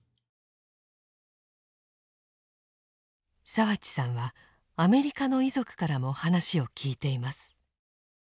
澤地さんはアメリカの遺族からも話を聞いています。